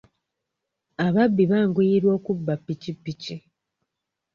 Ababbi banguyirwa okubba ppikippiki.